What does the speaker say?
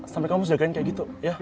sampai kamu harus jagain kayak gitu ya